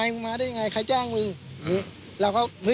เนียกันแก้ปัญหาคือ